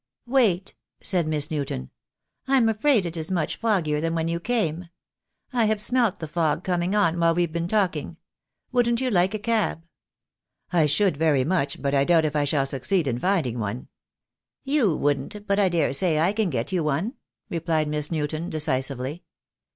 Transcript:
"Wait," said Miss Newton. "I'm afraid it is much fog gier than when you came. I have smelt the fog coming on while we have been talking. Wouldn't you like a cab?" "I should very much, but I doubt if I shall succeed in finding one." "You wouldn't, but I daresay I can get you one," replied Miss Newton, decisively.